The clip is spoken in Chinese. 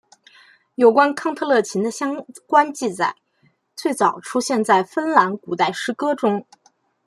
有关康特勒琴的相关记载最早出现在芬兰古代诗歌中。